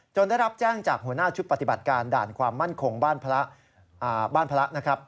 ได้รับแจ้งจากหัวหน้าชุดปฏิบัติการด่านความมั่นคงบ้านพระนะครับ